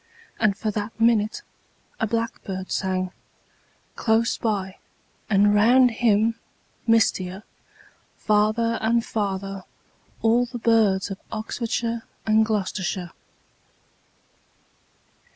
And for that minute a blackbird sang Close by, and round him, mistier, Farther and farther, all the birds Of Oxfordshire and Gloustershire.